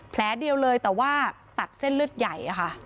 แผลเดียวเลยแต่ว่าตัดเส้นเลือดใหญ่อะค่ะ